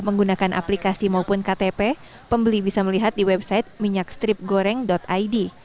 menggunakan aplikasi maupun ktp pembeli bisa melihat di website minyakstripgoreng org